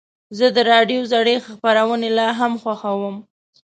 زه د راډیو زړې خپرونې لا هم خوښوم.